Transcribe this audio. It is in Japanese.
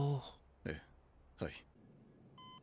ええはい。